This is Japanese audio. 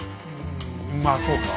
まあそうか。